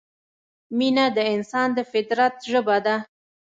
مینه د انسان د فطرت ژبه ده.